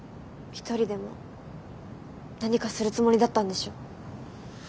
一人でも何かするつもりだったんでしょ。